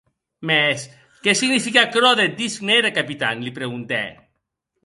Mès qué signifique aquerò deth disc nere, Capitan?, li preguntè.